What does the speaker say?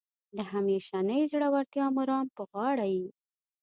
د همیشنۍ زړورتیا مرام په غاړه یې.